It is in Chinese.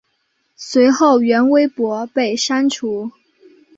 随后原微博被删除。